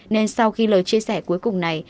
nên sau khi lời chia sẻ cuối cùng này